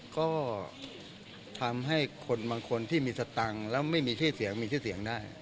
ก็ทำให้คนบางคนที่มีสตังค์แล้วไม่มีชื่อเสียงมีชื่อเสียงได้